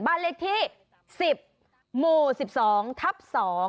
บ้านเลขที่สิบโหมสิบสองทับสอง